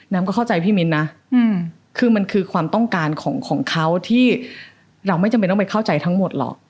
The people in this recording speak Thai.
ก็เข้าใจพี่มิ้นนะคือมันคือความต้องการของเขาที่เราไม่จำเป็นต้องไปเข้าใจทั้งหมดหรอก